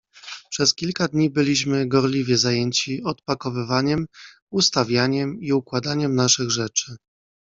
"Przez kilka dni byliśmy gorliwie zajęci odpakowywaniem, ustawianiem i układaniem naszych rzeczy."